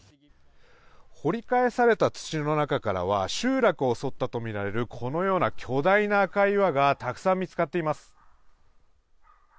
掘り返された土の中からは集落を襲ったとみられるこのような巨大な赤い岩がたくさん見つかっています。